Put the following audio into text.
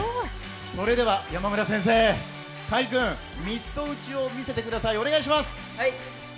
それでは、山本先生、魁君、ミット打ちを見せてください、お願いします。